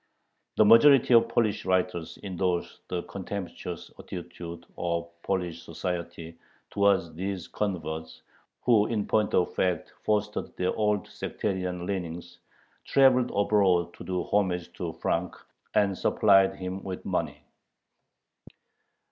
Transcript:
The majority of Polish writers endorsed the contemptuous attitude of Polish society towards these converts, who in point of fact fostered their old sectarian leanings, traveled abroad to do homage to Frank, and supplied him with money.